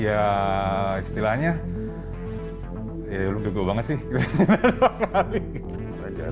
ya istilahnya ya lo bego banget sih kena dua kali